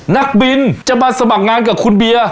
นักบินจะมาสมัครงานกับคุณเบียร์